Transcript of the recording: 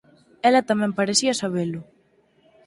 Ela tamén parecía sabelo.